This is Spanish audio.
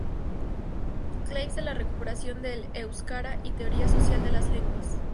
Claves de la recuperación del Euskara y teoría social de las lenguas".